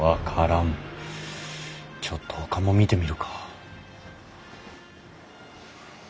ちょっとほかも見てみるか。